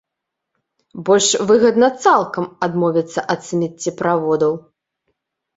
Больш выгадна цалкам адмовіцца ад смеццеправодаў.